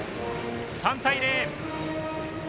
３対０！